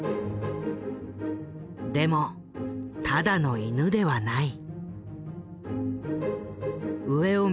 でもただの犬ではない。